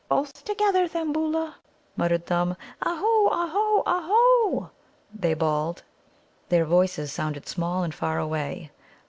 "Both together, Thimbulla," muttered Thumb. "Ahôh, ahôh, ahôh!" they bawled. Their voices sounded small and far away.